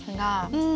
うん。